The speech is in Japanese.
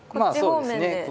まあそうですね。